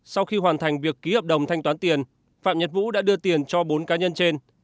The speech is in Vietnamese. sau khi hoàn thành việc ký hợp đồng thanh toán tiền phạm nhật vũ đã đưa tiền cho bốn cá nhân trên